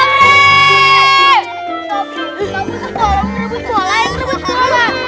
kamu semua orang merebut bola yang merebut bola